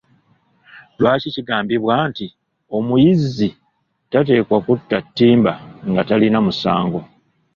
Lwaki kigambibwa nti omuyizzi tateekwa kutta ttimba nga talina musango?